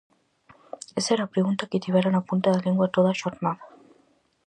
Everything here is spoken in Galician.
Esa era a pregunta que tivera na punta da lingua toda a xornada.